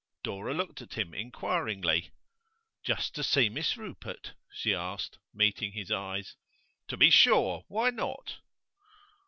Dora looked at him inquiringly. 'Just to see Miss Rupert?' she asked, meeting his eyes. 'To be sure. Why not?